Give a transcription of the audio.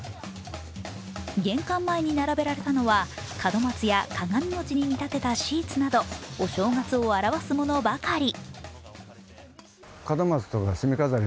玄関前に並べられたのは門松や鏡餅に見立てたシーツなどお正月を表すものばかり。